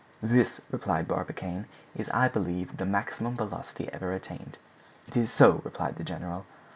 "This," replied Barbicane, "is, I believe, the maximum velocity ever attained?" "It is so," replied the general.